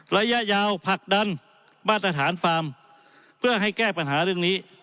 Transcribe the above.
ระยะยาวผลักดันมาตรฐานฟาร์มเพื่อให้แก้ปัญหาเรื่องนี้